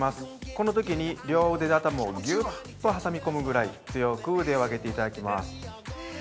このときに、両腕で頭をぎゅっと挟み込むぐらい強く腕を上げていただきます。